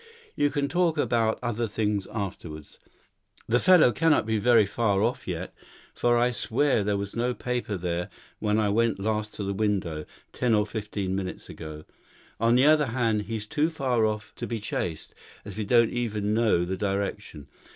We can talk about other things afterwards. The fellow cannot be very far off yet, for I swear there was no paper there when I went last to the window, ten or fifteen minutes ago. On the other hand, he's too far off to be chased, as we don't even know the direction.